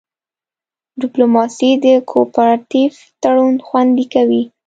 ډیپلوماسي د کوپراتیف تړون خوندي کوي